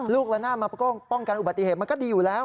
ละนาดมาป้องกันอุบัติเหตุมันก็ดีอยู่แล้ว